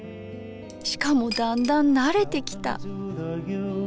しかもだんだん慣れてきた。